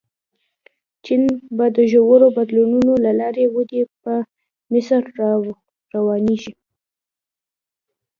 چین به د ژورو بدلونونو له لارې ودې په مسیر روانېږي.